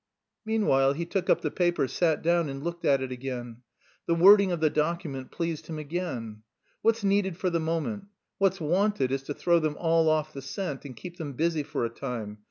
Meanwhile he took up the paper, sat down, and looked at it again. The wording of the document pleased him again. "What's needed for the moment? What's wanted is to throw them all off the scent and keep them busy for a time.